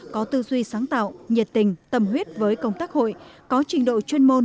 có tư duy sáng tạo nhiệt tình tâm huyết với công tác hội có trình độ chuyên môn